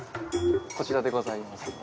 こちらでございます。